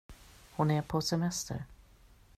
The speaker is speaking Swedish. Här är hon på semester.